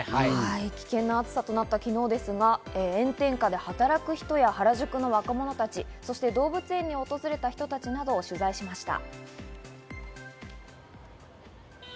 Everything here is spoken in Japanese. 危険な暑さとなった昨日ですが、炎天下で働く人や原宿の若者たち、そして動物園に訪れた人たちなどを取材しました。